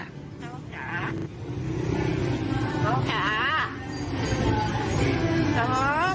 ทองจ๋าทองจ๋าทอง